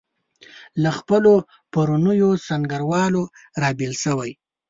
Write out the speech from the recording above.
له خپلو پرونیو سنګروالو رابېل شوي.